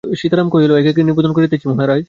সীতারাম কহিল, একে একে নিবেদন করিতেছি মহারাজ।